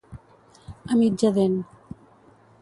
A mitja dent.